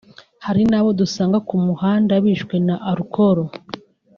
hari n’ abo dusanga ku muhanda bishwe na arukoro